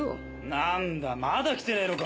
なんだまだ来てねのか？